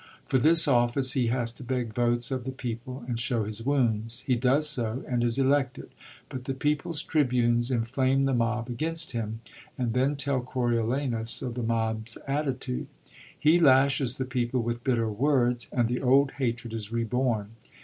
For this office he has to beg votes of the people, and show his wounds. He does so, and is elected, but the people's tribunes inflame the mob against him, and then tell Coriolanus of the mob's attitude. He lashes the people with bitter words, and the old hatred is reborn.